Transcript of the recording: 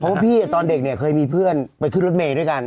เพราะว่าพี่ตอนเด็กเนี่ยเคยมีเพื่อนไปขึ้นรถเมย์ด้วยกัน